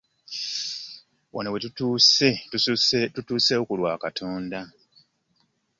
Wano we tutuuse tutuuseewo ku lwa katonda.